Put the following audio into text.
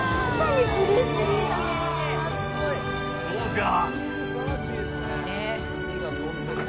どうですか。